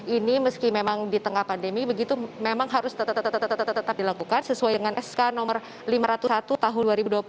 ini meski memang di tengah pandemi begitu memang harus tetap dilakukan sesuai dengan sk no lima ratus satu tahun dua ribu dua puluh